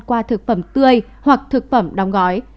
qua thực phẩm tươi hoặc thực phẩm đóng gói